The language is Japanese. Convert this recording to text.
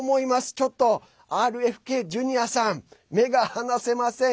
ちょっとＲＦＫｊｒ．さん目が離せません。